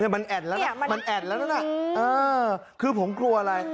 มันแอดแล้วน่ะคือผมกลัวอะไร